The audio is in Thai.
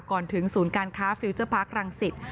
ก่อนถึงศูนย์การค้าฟิลเจอร์พาร์ครังสิต